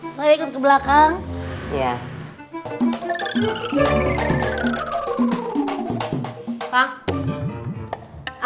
saya ke belakang ya